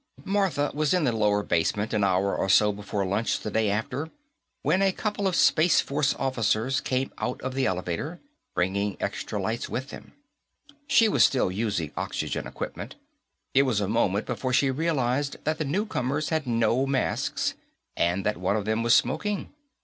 Martha was in the lower basement, an hour or so before lunch the day after, when a couple of Space Force officers came out of the elevator, bringing extra lights with them. She was still using oxygen equipment; it was a moment before she realized that the newcomers had no masks, and that one of them was smoking.